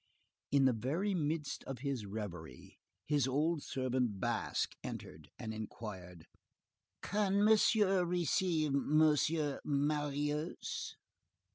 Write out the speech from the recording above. In the very midst of his reverie, his old servant Basque entered, and inquired:— "Can Monsieur receive M. Marius?"